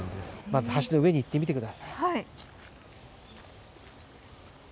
まず橋の上に行ってみてください